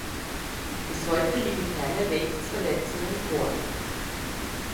Bis heute liegen keine Rechtsverletzungen vor.